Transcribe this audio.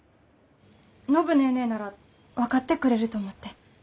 暢ネーネーなら分かってくれると思って。